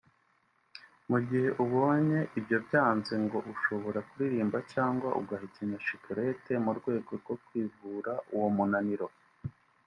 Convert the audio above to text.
Mu gihe ubonye ibyo byanze ngo ushobora kuririmba cyangwa ugahekenya chicrette mu rwego rwo kwivura uwo munaniro